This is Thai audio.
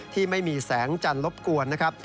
ที่ไม่มีแสงจันทร์รบกวนนะครับ